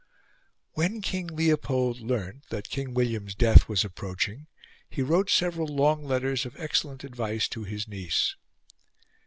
When King Leopold learnt that King William's death was approaching, he wrote several long letters of excellent advice to his niece.